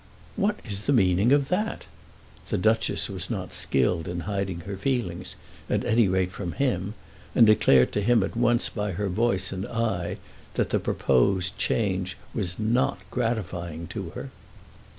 "What is the meaning of that?" The Duchess was not skilled in hiding her feelings, at any rate from him, and declared to him at once by her voice and eye that the proposed change was not gratifying to her.